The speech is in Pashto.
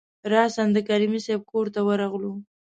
راسآ د کریمي صیب کورته ورغلو.